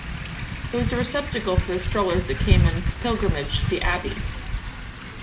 It was a receptacle for the strollers that came in pilgrimage to the abbey.